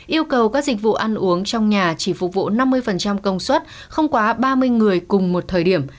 yêu cầu các dịch vụ ăn uống trong nhà chỉ phục vụ năm mươi công suất không quá ba mươi người cùng một thời điểm